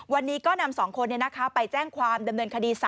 วันนี้ก็นำ๒คนไปแจ้งความดำเนินคดี๓